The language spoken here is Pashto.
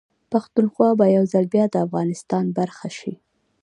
پښتونخوا به يوځل بيا ده افغانستان برخه شي